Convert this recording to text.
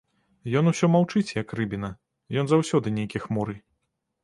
Ён усё маўчыць, як рыбіна, ён заўсёды нейкі хмуры.